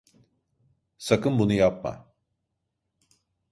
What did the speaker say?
Sakın bunu yapma!